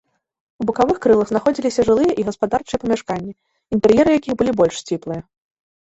У бакавых крылах знаходзіліся жылыя і гаспадарчыя памяшканні, інтэр'еры якіх былі больш сціплыя.